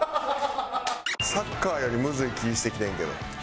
サッカーよりむずい気してきてんけど。